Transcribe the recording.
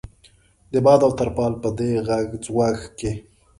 د باد او ترپال په دې غږ ځوږ کې.